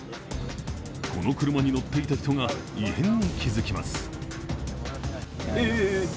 この車に乗っていた人が異変に気づきます。